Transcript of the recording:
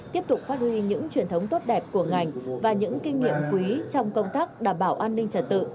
tiếp tục phát huy những truyền thống tốt đẹp của ngành và những kinh nghiệm quý trong công tác đảm bảo an ninh trật tự